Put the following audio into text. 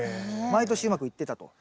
毎年うまくいってたと。